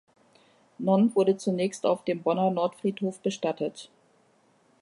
Nonn wurde zunächst auf dem Bonner Nordfriedhof bestattet.